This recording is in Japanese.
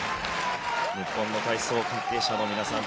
日本の体操関係者の皆さん